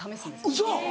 ウソ！